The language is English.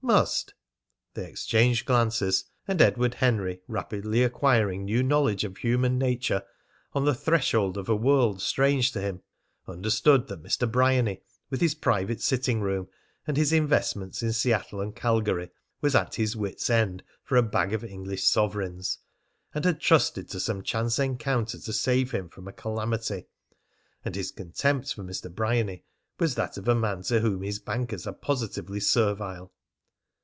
"Must!" They exchanged glances. And Edward Henry, rapidly acquiring new knowledge of human nature on the threshold of a world strange to him, understood that Mr. Bryany, with his private sitting room and his investments in Seattle and Calgary, was at his wits' end for a bag of English sovereigns, and had trusted to some chance encounter to save him from a calamity. And his contempt for Mr. Bryany was that of a man to whom his bankers are positively servile.